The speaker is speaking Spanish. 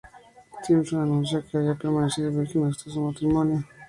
Simpson anunció que había permanecido virgen hasta su matrimonio.